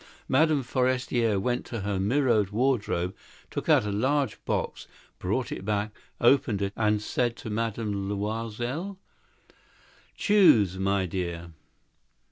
Madame Forestier went to a wardrobe with a mirror, took out a large jewel box, brought it back, opened it and said to Madame Loisel: "Choose, my dear."